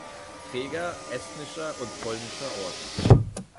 Träger estnischer und polnischer Orden.